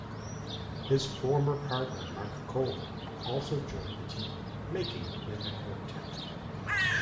His former partner Mark Coleman also joined the team, making it a quartet.